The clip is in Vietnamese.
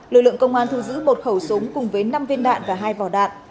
lực lượng công an thu giữ một khẩu súng cùng với năm viên đạn và hai vỏ đạn